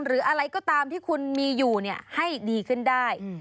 หรืออะไรก็ตามที่คุณมีอยู่ให้ดีขึ้นได้